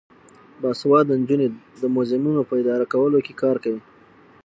باسواده نجونې د موزیمونو په اداره کولو کې کار کوي.